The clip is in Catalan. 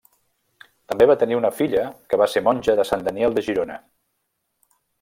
També va tenir una filla que va ser monja de Sant Daniel de Girona.